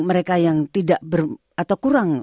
mereka yang tidak atau kurang